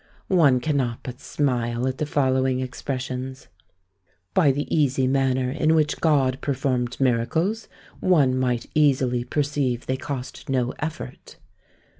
One cannot but smile at the following expressions: "By the easy manner in which God performed miracles, one might easily perceive they cost no effort."